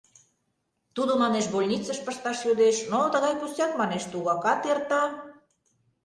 Тудо, манеш, больницыш пышташ йодеш, но тыгай пустяк, манеш, тугакат эрта.